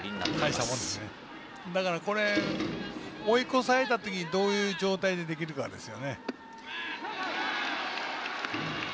これは追い越された時にどういう状態でできるかですね。